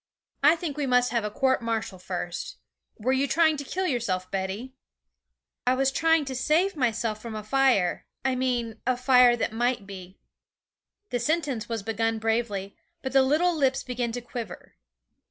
'I think we must have a court martial first. Were you trying to kill yourself, Betty?' 'I was trying to save myself from a fire I mean a fire that might be.' The sentence was begun bravely, but the little lips began to quiver.